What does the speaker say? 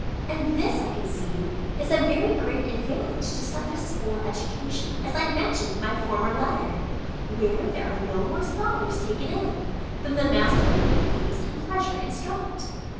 And this, I conceive, is a very great advantage to such a school education, as I mentioned in my former letter, where there are no more scholars taken in, than the master can with ease and pleasure instruct.